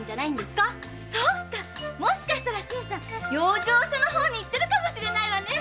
もしかしたら新さん養生所へ来てるかもしれないわね。